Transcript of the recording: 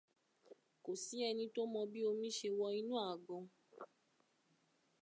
Kò sí ẹni tó mọ bí omi ṣe wọ inú àgbọn.